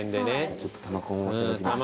ちょっと玉こんをいただきます。